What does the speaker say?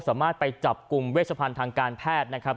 สามารถไปจับกลุ่มเวชพันธ์ทางการแพทย์นะครับ